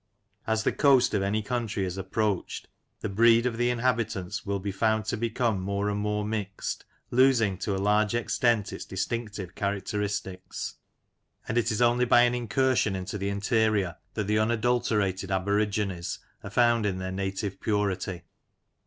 As the coast of any country is approached, the breed of the inhabitants will be found to become more and more mixed, losing to a large extent its distinctive characteristics ; and it is only by an incursion into the interior that the unadulterated aborigines are found in their native purity.